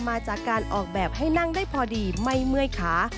มาจากการออกแบบให้นั่งได้พอดีไม่เมื่อยขา